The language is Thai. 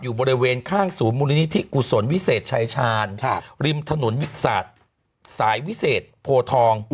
อยู่บริเวณข้างสูงมูลนิธิกุศลวิเศษชายชาญริมถนนวิสัตว์สายวิเศษโพทอง